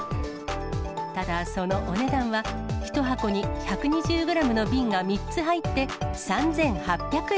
ただ、そのお値段は、１箱に１２０グラムの瓶が３つ入って、３８００円。